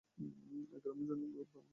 এক গ্রামে জনৈক ব্রাহ্মণ যুবক বাস করিত।